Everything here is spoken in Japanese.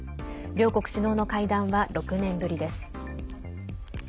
両国首脳の会談は６年ぶりです。